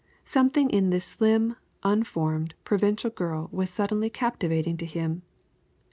Something in this slim, unformed, provincial girl was suddenly captivating to him.